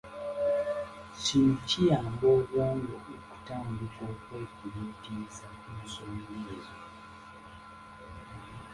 Kino kiyamba obwongo okutandika okwefumiitiriza ku nsonga ezo.